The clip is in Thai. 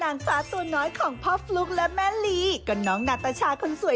แอปออกสุดคงเป็นการรีวิวรีจ่าย